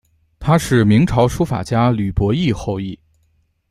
她是明朝书法家吕伯懿后裔。